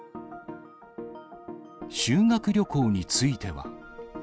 修学旅行については。